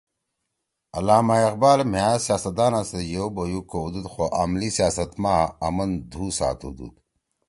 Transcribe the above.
علامہ اقبال مھأ سیاست دانا سیت یِؤ بیُو کؤدود خو عملی سیاست ما آمن دُھو ساتُودُود